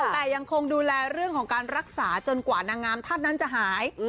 แต่ยังคงดูแลเรื่องของการรักษาจนกว่านางงามท่านนั้นจะหาย